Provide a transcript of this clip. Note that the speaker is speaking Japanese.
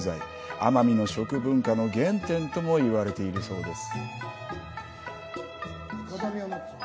奄美の食文化の原点とも言われているそうです。